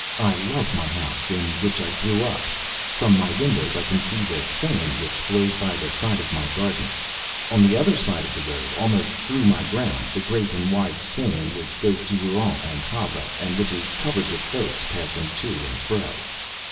I love my house in which I grew up. From my windows I can see the Seine which flows by the side of my garden, on the other side of the road, almost through my grounds, the great and wide Seine which goes to Rouen and Havre, and which is covered with boats passing to and fro.